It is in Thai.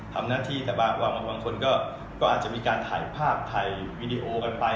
ทำหน้าที่แต่บางคนก็อาจจะมีการถ่ายภาพถ่ายวีดีโอกันไป